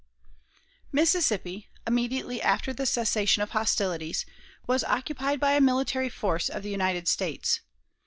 Mississippi, immediately after the cessation of hostilities, was occupied by a military force of the United States.